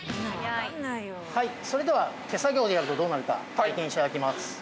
それでは手作業でやるとどうなるか体験して頂きます。